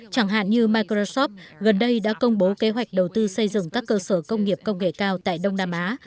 chẳng hạn như microsoft gần đây đã công bố kế hoạch đầu tư xây dựng các cơ sở công nghiệp công nghệ cao tại đông nam á